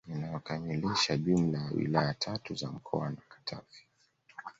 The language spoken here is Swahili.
Inayokamilisha jumla ya wilaya tatu za mkoa wa Katavi